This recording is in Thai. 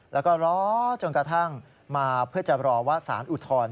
แล้วก็รอจนกระทั่งมาเพื่อจะรอว่าสารอุทธรณ์